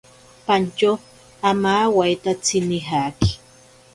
Pantyo amawaitatsi nijaki.